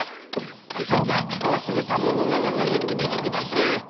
はいそんじゃ早速田んぼの中さ入ってみてくだせえ。